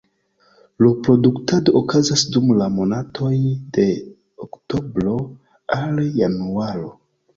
Reproduktado okazas dum la monatoj de oktobro al januaro.